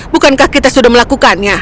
bukankah kita sudah melakukannya